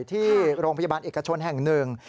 ที่โรงพยาบาลเอกชนแห่งหนึ่ง